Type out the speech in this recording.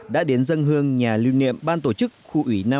đã đến dân hương nhà lưu niệm ban tổ chức khu ủy năm